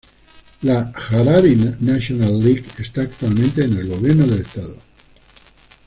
La Harari National League está actualmente en el gobierno del estado.